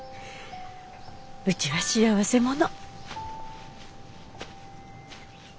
うちは幸せ者。